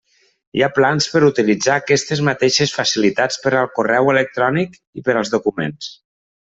Hi ha plans per utilitzar aquestes mateixes facilitats per al correu electrònic i per als documents.